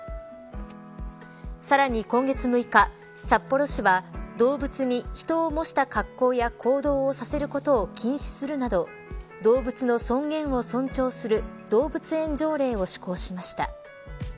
さらに、今月６日札幌市は動物に人を模した格好や行動させることを禁止するなど動物の尊厳を尊重する動物園条例を施行しました。